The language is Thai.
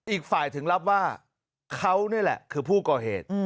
อีกฝ่ายถึงรับว่าเขานี่แหละคือผู้ก่อเหตุ